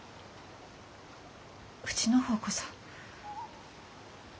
うちの方こそ。